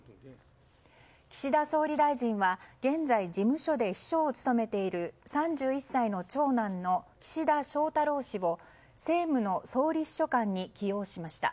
岸田総理大臣は現在、事務所で秘書を務めている３１歳の長男の岸田翔太郎氏を政務の総理秘書官に起用しました。